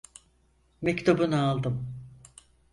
Mektubunu aldım.